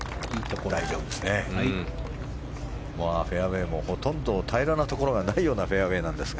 ここはフェアウェーもほとんど平らなところがないようなフェアウェーなんですが。